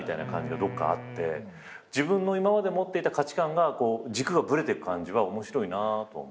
自分の今まで持っていた価値観が軸がブレてく感じは面白いなとは思う。